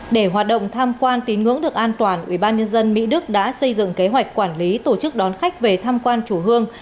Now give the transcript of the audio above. để hoạt động tham quan tín ngưỡng được an toàn ubnd mỹ đức đã xây dựng kế hoạch quản lý tổ chức đón khách về tham quan chùa hương